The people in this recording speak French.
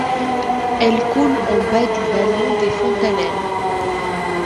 Elle coule en bas du vallon des Fontanelles.